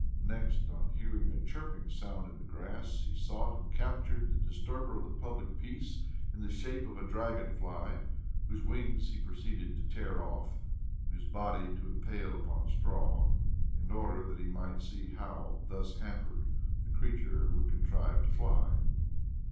Next, on hearing a chirping sound in the grass, he sought and captured the disturber of the public peace, in the shg,pe of a dragon fly, whose wings he proceeded to tear off, and whose body to impale upon a straw, in order that he might see how, thus hampered, the creature would contrive to fly.